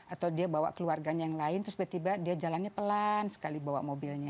atau dia bawa keluarganya yang lain terus tiba tiba dia jalannya pelan sekali bawa mobilnya